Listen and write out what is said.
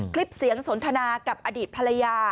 คลิปเสียงสนทนากับอดีตภรรยา